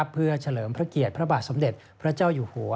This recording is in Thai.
เพื่อเฉลิมพระเกียรติพระบาทสมเด็จพระเจ้าอยู่หัว